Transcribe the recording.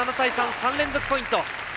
３連続ポイント。